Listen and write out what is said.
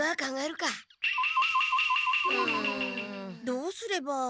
どうすれば。